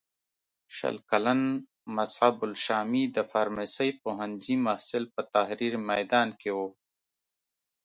شل کلن مصعب الشامي د فارمسۍ پوهنځي محصل په تحریر میدان کې و.